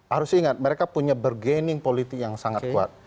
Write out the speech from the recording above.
harus ingat mereka punya bergening politik yang sangat kuat